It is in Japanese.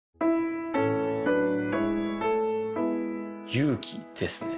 勇気ですね